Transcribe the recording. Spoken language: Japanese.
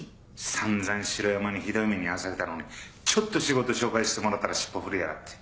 さんざん城山にひどい目にあわされたのにちょっと仕事紹介してもらったら尻尾振りやがって。